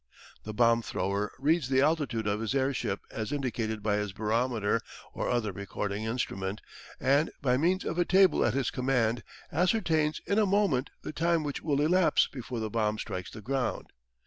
The bomb thrower reads the altitude of his airship as indicated by his barometer or other recording instrument, and by means of a table at his command ascertains in a moment the time which will elapse before the bomb strikes the ground.